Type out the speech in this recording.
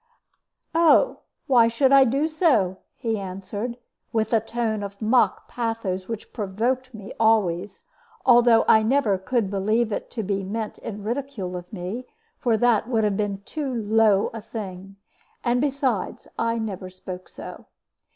"Oh, why should I do so?" he answered, with a tone of mock pathos which provoked me always, though I never could believe it to be meant in ridicule of me, for that would have been too low a thing; and, besides, I never spoke so.